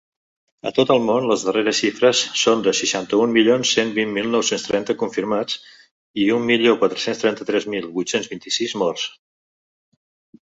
A tot el món, les darreres xifres són de seixanta-un milions cent vint mil nou-cents trenta confirmats i un milió quatre-cents trenta-tres mil vuit-cents vint-i-sis morts.